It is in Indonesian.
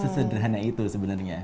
sesederhana itu sebenarnya